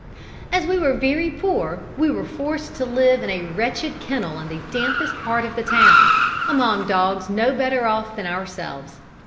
] As we were very poor, we were forced to live in a wretched kennel in the dampest part of the town, among dogs no better off than ourselves.